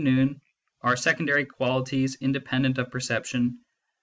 Nunn, " Are Secondary Qualities Independent of Per ception